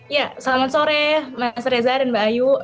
ya selamat sore mas reza dan mbak ayu